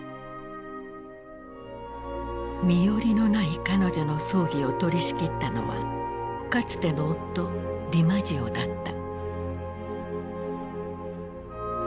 身寄りのない彼女の葬儀を取りしきったのはかつての夫ディマジオだった。